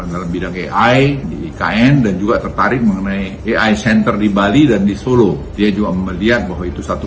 dalam bidang ai di ikn dan juga tertarik mengenai ai center di bali dan di solo dia juga melihat bahwa itu satu